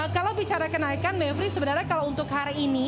kalau bicara kenaikan mevri sebenarnya kalau untuk hari ini